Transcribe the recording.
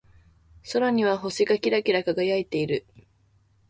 空には星がキラキラ輝いている。